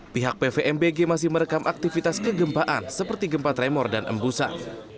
pihak pvmbg masih merekam aktivitas kegempaan seperti gempa tremor dan embusan